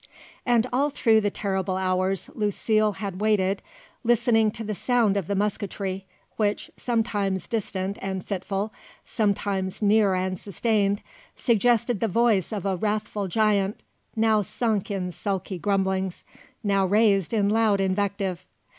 And all through the terrible hours Lucile had waited, listening to the sound of the musketry, which, sometimes distant and fitful, sometimes near and sustained, suggested the voice of a wrathful giant, now sunk in sulky grumblings, now raised in loud invective.